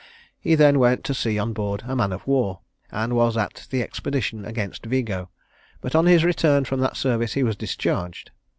He then went to sea on board a man of war, and was at the expedition against Vigo; but on his return from that service he was discharged.